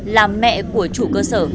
làm mẹ của chủ cơ sở